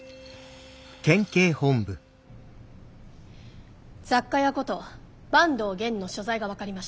雑貨屋こと坂東玄の所在が分かりました。